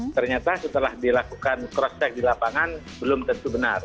ternyata setelah dilakukan cross check di lapangan belum tentu benar